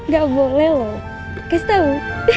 gak boleh loh kasih tau